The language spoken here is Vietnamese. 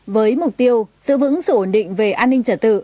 với mục tiêu giữ vững sự ổn định về an ninh trật tự